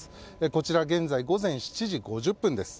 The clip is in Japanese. こちら現在、午前７時５０分です。